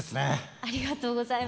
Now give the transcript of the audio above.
ありがとうございます。